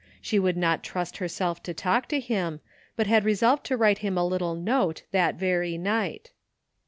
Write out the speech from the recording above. She would not trust herself to talk to him, but had re solved to write him a little note that very night.